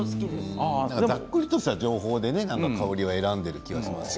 ざっくりとした情報で香りを選んでいる気がします。